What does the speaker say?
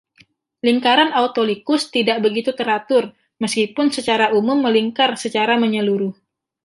Lingkaran Autolycus tidak begitu teratur, meskipun secara umum melingkar secara menyeluruh.